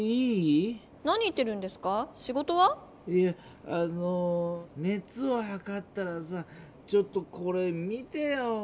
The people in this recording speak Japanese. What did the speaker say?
いやあのねつをはかったらさちょっとこれ見てよ。